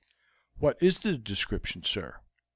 "What is the description, sir?